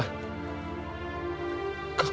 kamu dimana bella